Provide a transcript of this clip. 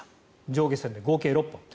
上下線で合計６本。